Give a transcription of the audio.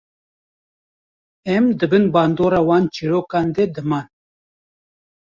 Em di bin bandora wan çîrokan de diman.